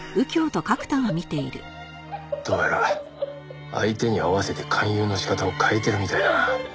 どうやら相手に合わせて勧誘の仕方を変えてるみたいだな。